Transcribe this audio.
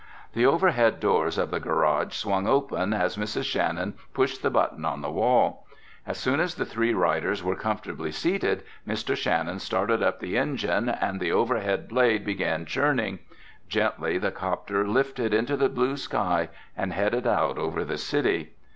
The overhead doors of the garage swung open as Mrs. Shannon pushed the button on the wall. As soon as the three riders were comfortably seated, Mr. Shannon started up the engine and the overhead blade began churning. Gently the 'copter lifted into the blue sky and headed out over the city.